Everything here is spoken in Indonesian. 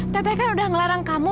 tete kan udah ngelarang kamu